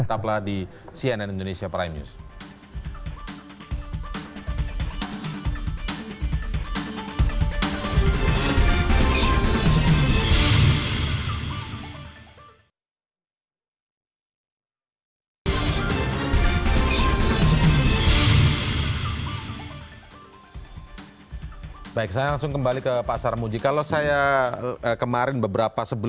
tetaplah di cnn indonesia prime news